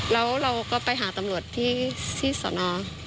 แล้วเราก็ไปหาตำรวจที่สน